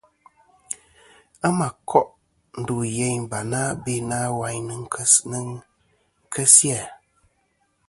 A mà koʼ ndù yeyn Barna, be na wayn nɨn kesi a.